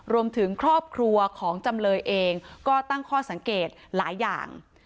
รวมถึงครอบครัวของจำเลยเองก็ตั้งข้อสังเกตหลายอย่าง